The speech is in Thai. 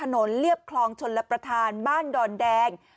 เรียบคลองชนรับประทานบ้านดอนแดง